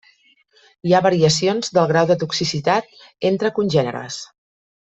Hi ha variacions del grau de toxicitat entre congèneres.